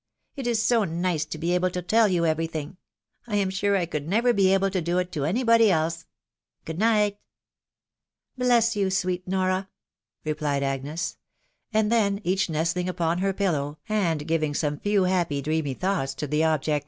.... It is so nice to be able to tell you every thing. ... I am sure I could never be able to do it to any body else. Good night !"" Bless you, sweet Nora !" replied Agnes ; and then each nestling upon her pillow, and giving some few happy dreamy thoughts to the object.